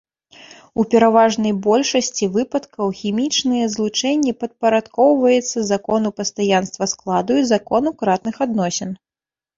У пераважнай большасці выпадкаў хімічныя злучэнні падпарадкоўваецца закону пастаянства складу і закону кратных адносін.